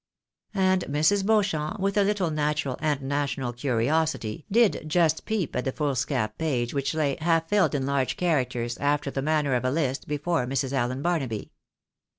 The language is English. And Mrs. Beauchamp, with a little natural and national curiosity, did just peep at the foolscap page which lay, half filled in large characters, after the manner of a hst, before Mrs. Allen Barnaby.